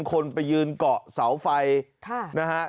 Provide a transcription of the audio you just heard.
คนไปยืนเกาะเสาไฟนะฮะ